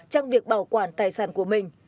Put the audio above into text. trong việc bảo quản tài sản của mình